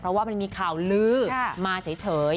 เพราะว่ามันมีข่าวลื้อมาเฉย